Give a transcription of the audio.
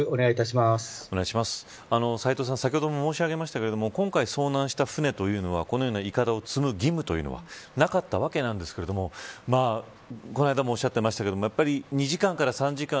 斎藤さん、先ほども申し上げましたが今回遭難した船というのはこのような、いかだを積む義務はなかったわけですがこの間もおっしゃっていましたが２時間から３時間、